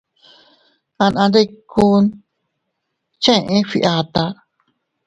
Anandikkuu cheʼé Fgiata.